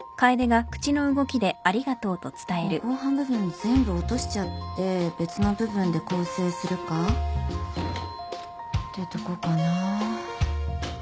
もう後半部分全部落としちゃって別の部分で構成するかってとこかなぁ。